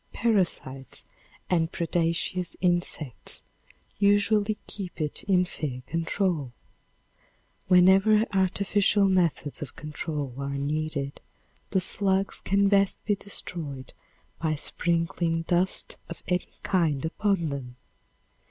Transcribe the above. Parasites and predacious insects usually keep it in fair control. Whenever artificial methods of control are needed the slugs can best be destroyed by sprinkling dust of any kind upon them.